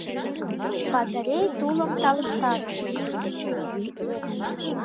Батарей тулым талыштарыш.